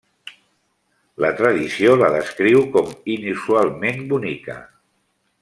La tradició la descriu com inusualment bonica.